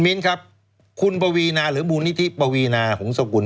มิ้นครับคุณปวีนาหรือมูลนิธิปวีนาหงศกุล